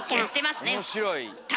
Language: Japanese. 面白い。